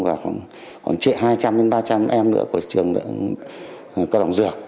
và khoảng hai trăm linh ba trăm linh em nữa của trường đồng cao đồng dược